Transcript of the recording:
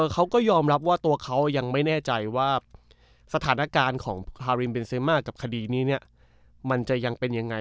เขาก็ยอมรับว่าตัวเขายังไม่แน่ใจว่าสถานการณ์ของฮาริมเบนเซมากับคดีนี้มันจะยังเป็นยังไง